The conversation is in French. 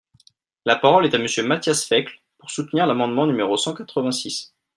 La parole est à Monsieur Matthias Fekl, pour soutenir l’amendement numéro cent quatre-vingt-six.